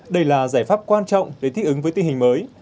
đây là giải pháp quan trọng để thích ứng với tình hình mới